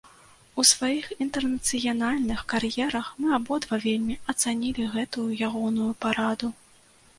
У сваіх інтэрнацыянальных кар'ерах, мы абодва вельмі ацанілі гэтую ягоную параду.